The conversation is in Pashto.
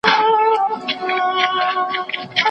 جهاني زوړ سوم د رقیب او محتسب له ضده